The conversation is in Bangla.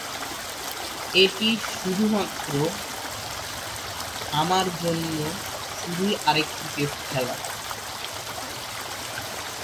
এটি আমার জন্য শুধুই আরেকটি টেস্ট খেলা’।